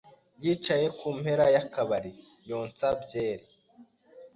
yicaye ku mpera y’akabari, yonsa byeri.